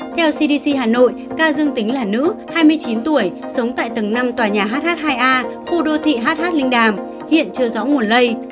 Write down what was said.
theo cdc hà nội ca dương tính là nữ hai mươi chín tuổi sống tại tầng năm tòa nhà hh hai a khu đô thị hh linh đàm hiện chưa rõ nguồn lây